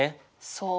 そう。